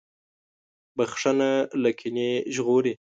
• بښل له کینې ژغوري.